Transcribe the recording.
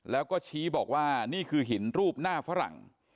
แล้วก็ชี้บอกว่านี่คือหินรูปหน้าฝรั่ง